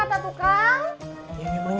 aku juga ingin lihatmu